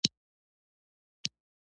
د کلي دوکاندار ته یې ویلي و.